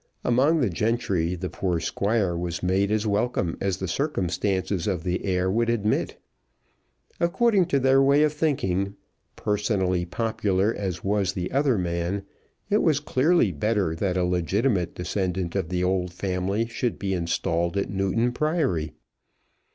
Among the gentry the young Squire was made as welcome as the circumstances of the heir would admit. According to their way of thinking, personally popular as was the other man, it was clearly better that a legitimate descendant of the old family should be installed at Newton Priory.